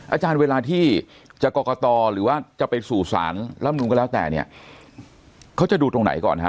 อาจารย์เวลาที่จะกรกตหรือว่าจะไปสู่สารลำนูนก็แล้วแต่เนี่ยเขาจะดูตรงไหนก่อนฮะ